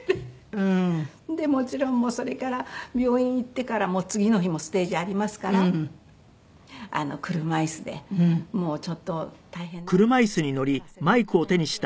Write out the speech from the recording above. でもちろんそれから病院行ってからも次の日もステージありますから車椅子でちょっと大変なんですけどやらせて頂いて。